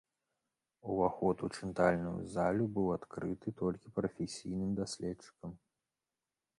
Уваход у чытальную залу быў адкрыты толькі прафесійным даследчыкам.